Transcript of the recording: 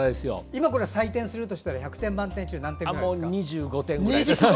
今採点するとしたら１００点満点中何点ぐらいですか？